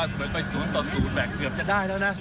เกมเกือบจะได้แล้วนะ